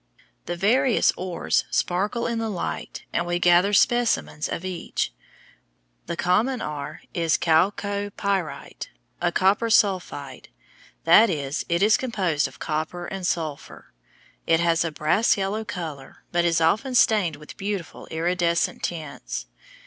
The various ores sparkle in the light and we gather specimens of each. The common are is chalcopyrite, a copper sulphide; that is, it is composed of copper and sulphur. It has a brass yellow color, but is often stained with beautiful iridescent tints.